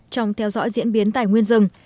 trong theo dõi diễn biến tài nguyên rừng